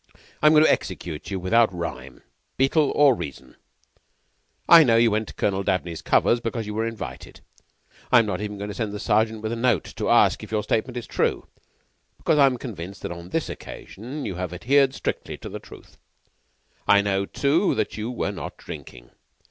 I'm going to execute you without rhyme, Beetle, or reason. I know you went to Colonel Dabney's covers because you were invited. I'm not even going to send the Sergeant with a note to ask if your statement is true; because I am convinced that on this occasion you have adhered strictly to the truth. I know, too, that you were not drinking.